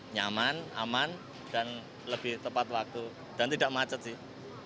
nyaman aman dan lebih tepat waktu dan tidak macet sih